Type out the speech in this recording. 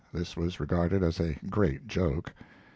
This was regarded as a great joke.